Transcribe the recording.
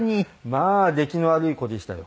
まあ出来の悪い子でしたよ。